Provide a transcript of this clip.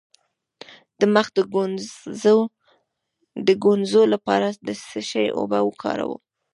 د مخ د ګونځو لپاره د څه شي اوبه وکاروم؟